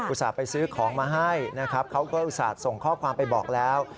ส่าห์ไปซื้อของมาให้นะครับเขาก็อุตส่าห์ส่งข้อความไปบอกแล้ว